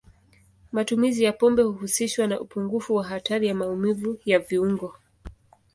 Matumizi ya pombe huhusishwa na upungufu wa hatari ya maumivu ya viungo.